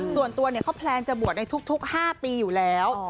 ส่วนตัวเขาแพลนจะบวชในทุก๕ปีอยู่แล้ว